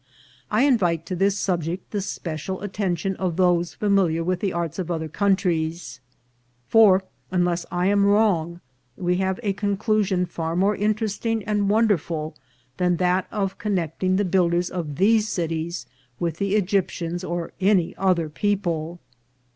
I invite to this subject the special attention of those familiar with the arts of other countries ; for, unless I am wrong, we have a.conclusion far more interesting and wonderful than that of connecting the builders of these cities with the Egyptians or any other people.